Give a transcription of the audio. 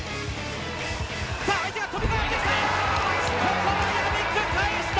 さあ相手がとびかかってきた。